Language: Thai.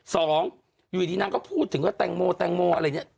สองอยู่ดีนางก็พูดถึงว่าแตงโมแตงโมอะไรเนี่ย